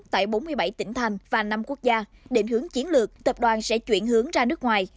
tại bốn mươi bảy tỉnh thành và năm quốc gia định hướng chiến lược tập đoàn sẽ chuyển hướng ra nước ngoài